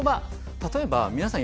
例えば皆さん